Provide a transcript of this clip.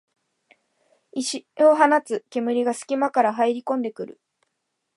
異臭を放つ煙がすき間から入りこんでくる